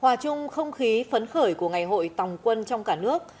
hòa chung không khí phấn khởi của ngày hội tòng quân trong cả nước